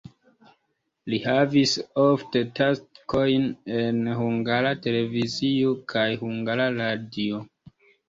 Li havis ofte taskojn en Hungara Televizio kaj Hungara Radio.